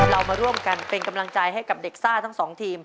เรามาร่วมกันเป็นกำลังใจให้กับเด็กซ่าทั้งสองทีม